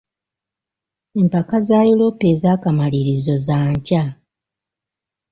Empaka za Yuropa ez’akamalirizo za nkya.